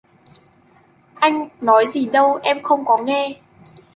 Ai nói gì đâu Em không có nghe